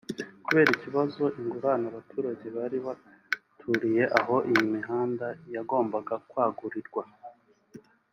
kubera ikibazo cyo guha ingurane abaturage bari baturiye aho iyi mihanda yagombaga kwagurirwa